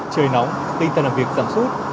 trời nóng tinh thần làm việc giảm sút